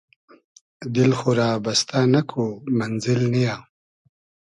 دیل خو رۂ بستۂ نئکو مئنزیل نییۂ